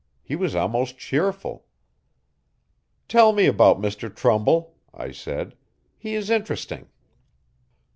He was almost cheerful. 'Tell me about Mr Trumbull,' I said. 'He is interesting.